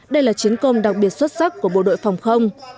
đây là chiến công đặc biệt xuất sắc của bộ đội phòng không